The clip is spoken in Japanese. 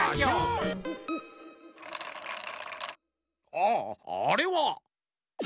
ああれは。